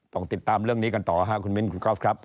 ต้องติดตามเรื่องนี้กันต่อค่ะคุณมิ้นคุณก๊อฟครับ